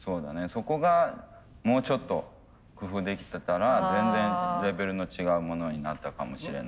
そこがもうちょっと工夫できてたら全然レベルの違うものになったかもしれない。